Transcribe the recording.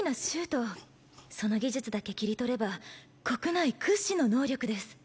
その技術だけ切り取れば国内屈指の能力です。